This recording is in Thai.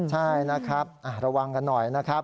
ใช่นะครับระวังกันหน่อยนะครับ